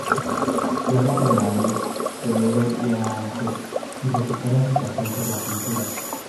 Viaja por Madrid, Toledo y Aranjuez y recupera su pasión por la pintura.